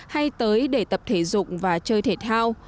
hay tới để tập thể dụng và chơi thể thao